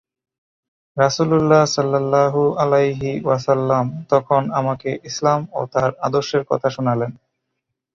রাসূলুল্লাহ সাল্লাল্লাহু আলাইহি ওয়াসাল্লাম তখন আমাকে ইসলাম ও তার আদর্শের কথা শুনালেন।